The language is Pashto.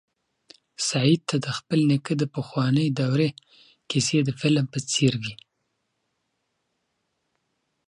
سعید ته د خپل نیکه د پخوانۍ دورې کیسې د فلم په څېر وې.